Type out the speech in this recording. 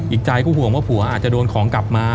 อีกใจก็ห่วงว่าผัวอาจจะโดนของกลับมา